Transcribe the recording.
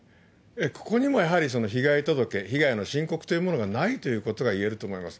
ここにもやはり、被害届、被害の申告というものがないということがいえると思います。